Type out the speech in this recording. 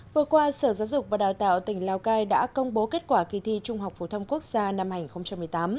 vừa qua sở giáo dục và đào tạo tỉnh lào cai đã công bố kết quả kỳ thi trung học phổ thông quốc gia năm hai nghìn một mươi tám